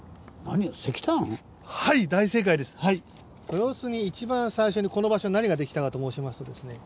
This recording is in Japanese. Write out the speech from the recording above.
豊洲に一番最初にこの場所に何ができたかと申しますとですね